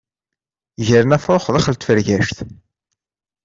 Gren afrux daxel tfergact.